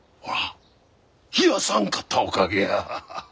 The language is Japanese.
ほら冷やさんかったおかげや。